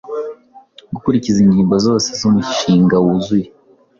gukurikiza ingingo zose zumushinga wuzuye